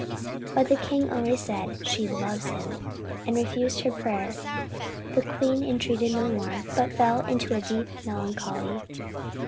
But the king only said, "She loves him!" and refused her prayer. The queen entreated no more, but fell into a deep melancholy.